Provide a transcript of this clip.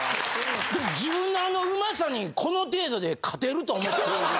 自分の美味さにこの程度で勝てると思ってる。